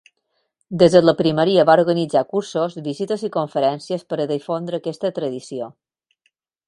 Des de la primeria va organitzar cursos, visites i conferències per a difondre aquesta tradició.